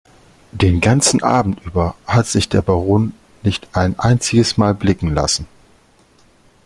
Den ganzen Abend über hat der Baron sich nicht ein einziges Mal blicken lassen.